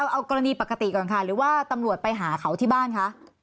เอากรณีปกติก่อนค่ะหรือว่าตำรวจไปหาเขาที่บ้านคะ